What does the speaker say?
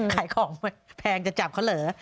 ขายของแพงจะจับเขาเหรอ